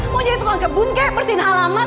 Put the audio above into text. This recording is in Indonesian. mau jadi tukang kebun kayak persihin halaman